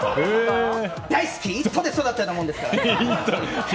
「イット！」で育ったようなものですからね。